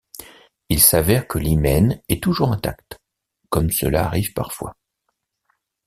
Il s'avère que l'hymen est toujours intact, comme cela arrive parfois.